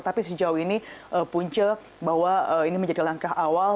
tapi sejauh ini punca bahwa ini menjadi langkah awal